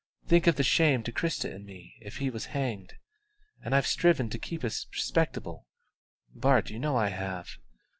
Think of the shame to Christa and me if he was hanged. And I've striven so to keep us respectable Bart, you know I have.